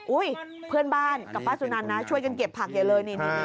เพื่อนบ้านกับป้าสุนันนะช่วยกันเก็บผักใหญ่เลยนี่